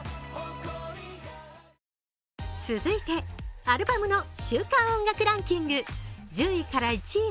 続いてアルバムの週間音楽ランキング。